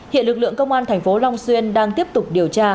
hiện lực lượng công an tp long xuyên đang tiếp tục điều tra